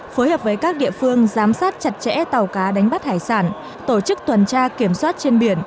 phối hợp với các địa phương giám sát chặt chẽ tàu cá đánh bắt hải sản tổ chức tuần tra kiểm soát trên biển